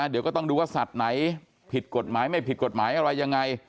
เดี๋ยวก็ต้องดูว่าสัตว์ไหนผิดกฎหมายไม่ผิดกฎหมายอะไรยังไง